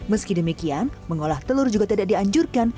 meski demikian mengolah telur juga tidak dianjurkan